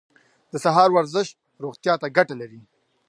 د سهار ورزش روغتیا ته ګټه لري.